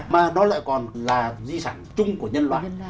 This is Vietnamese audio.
mà nó lại còn là di sản chung của nhân loại